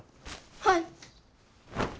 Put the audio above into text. はい。